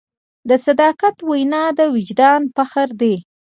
د صداقت وینا د وجدان فخر دی.